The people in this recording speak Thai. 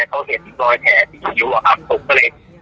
น่าจะเป็นทางจิตได้บอกเนี้ยครับตอนนี้แบบเขาเห็นรอยแผนอยู่อะครับ